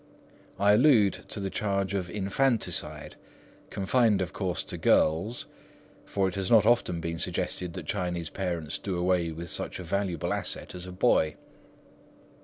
I allude to the charge of infanticide, confined of course to girls, for it has not often been suggested that Chinese parents do away with such a valuable asset as a boy.